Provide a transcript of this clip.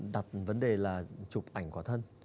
đặt vấn đề là chụp ảnh quả thân